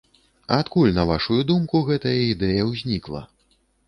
Адкуль на вашую думку гэтая ідэя ўзнікла?